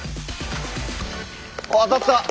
当たった！